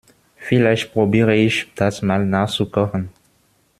Vielleicht probiere ich das mal nachzukochen.